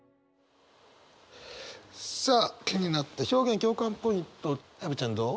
さあ気になった表現共感ポイントアヴちゃんどう？